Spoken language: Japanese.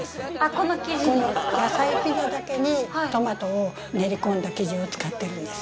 この野菜ピザだけに、トマトを練り込んだ生地を使っているんです。